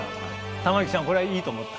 玉季ちゃんこれはいいと思った？